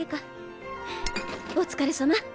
お疲れさま。